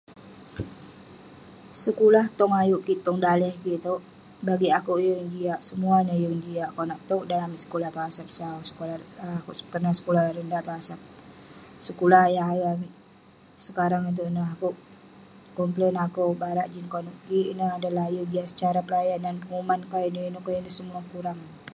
Sekulah tong ayuk kik, tong daleh kik itouk bagik akouk yeng jiak. Semuah neh yeng jiak konak tog dan amik sekulah tong Asap sau. Sekolah- um akouk peronah sekolah rendah tong Asap. Sekulah yah ayuk amik sekarang itouk ineh, akouk komplen akouk barak jin konep kik ineh adalah yeng jiak secara pelayanan, penguman ka, inouk inouk ka ; ineh semua kurang.